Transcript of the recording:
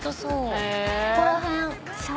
ここら辺。